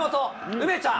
梅ちゃん。